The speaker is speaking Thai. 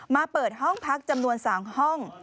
เปิดห้องพักจำนวน๓ห้อง